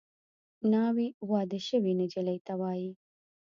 ناوې واده شوې نجلۍ ته وايي